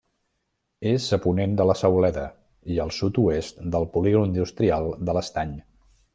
És a ponent de la Sauleda i al sud-oest del Polígon industrial de l'Estany.